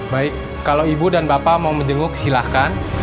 baik kalau ibu dan bapak mau menjenguk silahkan